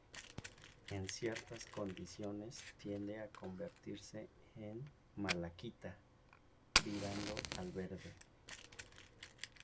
En ciertas condiciones tiende a convertirse en malaquita, virando al verde.